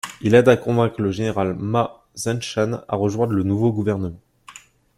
Il aide à convaincre le général Ma Zhanshan à rejoindre le nouveau gouvernement.